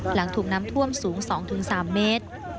หลังถูกน้ำท่วมสูง๒๓เมตร